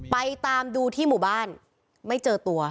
ไปตามดูที่หมู่บ้านไม่เจอตัว